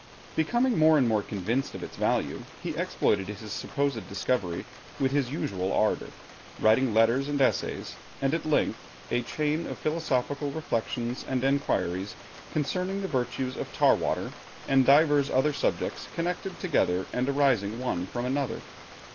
Becoming more and more convinced of its value, he exploited his supposed discovery with his usual ardor, writing letters and essays, and at length 'A Chain of Philosophical Reflections and Enquiries concerning the Virtues of Tar water and divers other subjects connected together and arising one from another.'